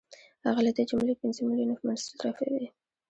هغه له دې جملې پنځه میلیونه مصرفوي